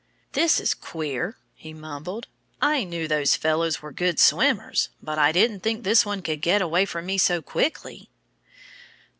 "This is queer," he mumbled. "I knew those fellows were good swimmers. But I didn't think this one could get away from me so quickly."